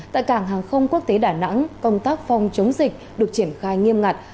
tại cảng hàng không quốc tế đà nẵng công tác phòng chống dịch được triển khai nghiêm ngặt